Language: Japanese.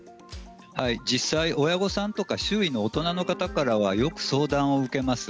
実際、親御さんや周囲の大人の方からはよく相談を受けます。